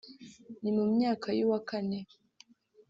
Ni mu myaka y’uwa Kane